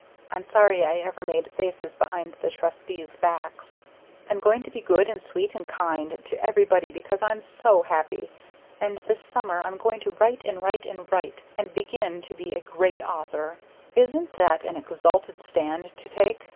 I'm sorry I ever made faces behind the Trustees' backs. I'm going to be good and sweet and kind to everybody because I'm so happy. And this summer I'm going to write and write and write and begin to be a great author. Isn't that an exalted stand to take?